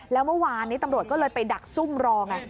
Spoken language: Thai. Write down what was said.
แล้วเมื่อวานนี้ตำรวจก็เลยไปดักซุ่มรอไง